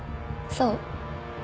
そう。